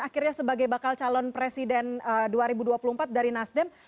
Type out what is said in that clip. akhirnya sebagai bakal calon presiden dua ribu dua puluh empat dari nasdem